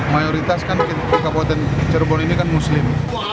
mayoritas kan di kabupaten cirebon ini kan muslim